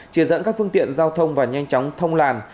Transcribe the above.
chỉ dẫn các phương tiện giao thông và nhanh chóng thông làn